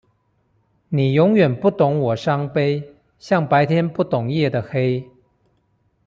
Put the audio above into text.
你永遠不懂我傷悲，像白天不懂夜的黑